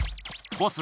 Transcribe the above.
ボス